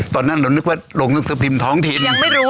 ตอนนั้นเรานึกว่าโรงหนังสือพิมพ์ท้องถิ่น